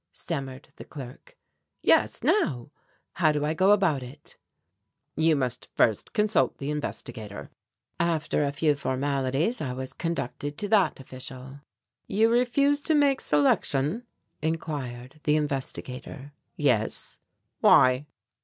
stammered the clerk. "Yes, now; how do I go about it?" "You must first consult the Investigator." After a few formalities I was conducted to that official. "You refuse to make selection?" inquired the Investigator. "Yes." "Why?"